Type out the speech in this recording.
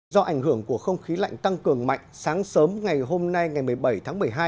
do ảnh hưởng của không khí lạnh tăng cường mạnh sáng sớm ngày hôm nay ngày một mươi bảy tháng một mươi hai